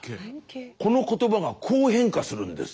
この言葉がこう変化するんです。